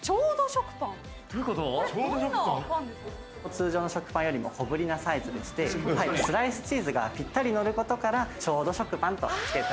通常の食パンよりも小ぶりなサイズでしてスライスチーズがぴったり乗ることからちょうど食パンと付けております。